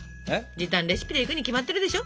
時短レシピでいくに決まってるでしょ。